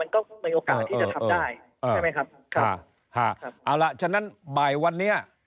เอาล่ะฉะนั้นบ่ายวันเนี่ย